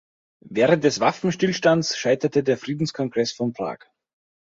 Während des Waffenstillstands scheiterte der Friedenskongress von Prag.